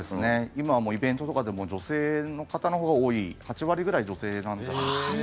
今はもう、イベントとかでも女性の方のほうが多い８割ぐらい女性なんじゃないですかね。